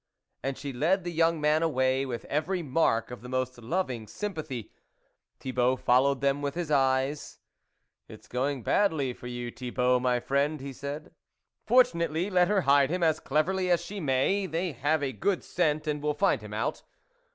And she led the young man away, with every mark of the most loving sympathy. Thibault followed them with his eyes :" It's going badly for you, Thibault, my friend," he said ;" fortunately, let her hide him as cleverly as she may, they have a good scent, and will find him out."